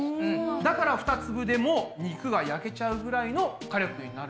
だから２粒でも肉が焼けちゃうぐらいの火力になるそうです。